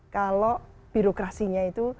kalau birokrasinya itu